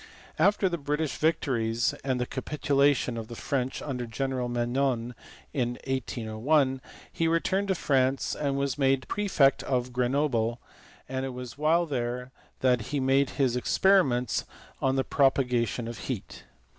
After the British victories and the capitulation of the French under General Menou in 1801, he returned to France and was made prefect of Grenoble, and it was while there that he made his experi ments on the propagation of heat.